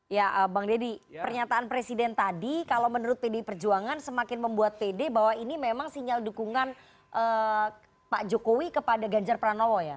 ya bang deddy pernyataan presiden tadi kalau menurut pdi perjuangan semakin membuat pede bahwa ini memang sinyal dukungan pak jokowi kepada ganjar pranowo ya